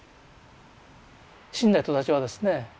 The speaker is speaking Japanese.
死んだ人たちはですね